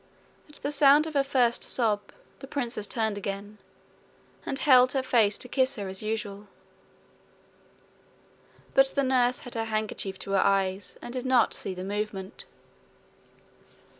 At the sound of her first sob the princess turned again, and held her face to kiss her as usual. But the nurse had her handkerchief to her eyes, and did not see the movement.